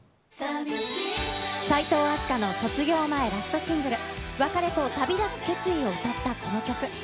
齋藤飛鳥の卒業前ラストシングル、別れと旅立つ決意を歌ったこの曲。